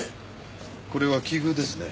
これは奇遇ですね。